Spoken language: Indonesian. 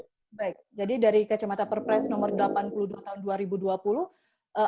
baik jadi dari kacamata perpres nomor delapan puluh dua tahun dua ribu dua puluh